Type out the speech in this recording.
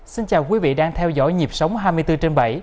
xin chào quý vị đang theo dõi nhịp sống hai mươi bốn trên bảy